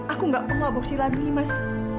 aku enggak mau aborsi lagi mas